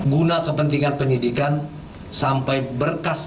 guna kepentingan penyidikan sampai berkas